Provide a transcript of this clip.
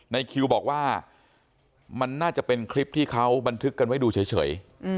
ในคิวบอกว่ามันน่าจะเป็นคลิปที่เขาบันทึกกันไว้ดูเฉย